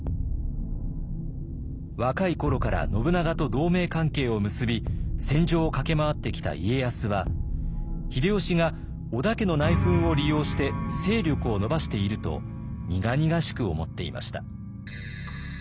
若い頃から信長と同盟関係を結び戦場を駆け回ってきた家康は秀吉が織田家の内紛を利用して勢力を伸ばしていると苦々しく思っていました。